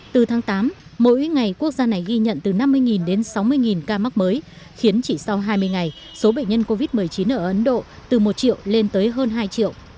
từ tháng tám mỗi ngày quốc gia này ghi nhận từ năm mươi đến sáu mươi ca mắc mới khiến chỉ sau hai mươi ngày số bệnh nhân covid một mươi chín ở ấn độ từ một triệu lên tới hơn hai triệu